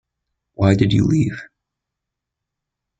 Why did you leave?